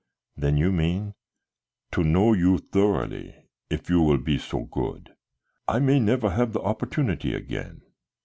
"Then you mean " "To know you thoroughly, if you will be so good; I may never have the opportunity again."